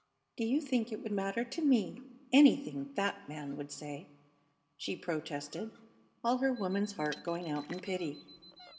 "Do you think it would matter to me anything that man would say?" she protested, all her woman's heart going out in pity.